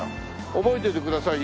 覚えといてくださいよ